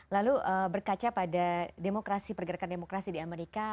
lalu berkaca pada demokrasi pergerakan demokrasi di amerika